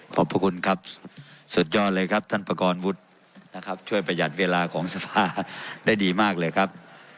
ขอบคุณครับสุดยอดเลยครับท่านประกอบวุฒินะครับช่วยประหยัดเวลาของสภาได้ดีมากเลยครับ